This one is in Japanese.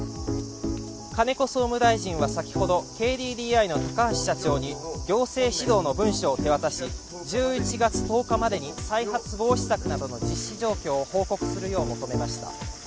金子総務大臣は先ほどＫＤＤＩの高橋社長に、行政指導の文書を手渡し１１月１０日までに再発防止策などの実施状況を報告するよう求めました。